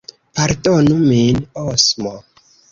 Pardonu min, Osmo!